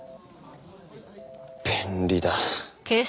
便利だ。